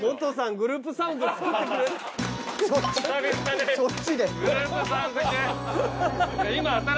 グループサウンズ系？